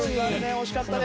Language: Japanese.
惜しかったです。